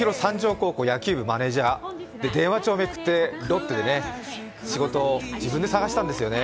高校野球部マネージャー、電話帳めくって、仕事自分で探したんですよね。